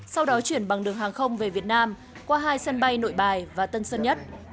sau đó chuyển bằng đường hàng không về việt nam qua hai sân bay nội bài và tân sơn nhất